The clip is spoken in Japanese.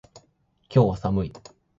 今日は寒い